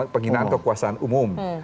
pengginaan kekuasaan umum